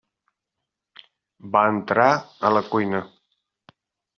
Va entrar a la cuina.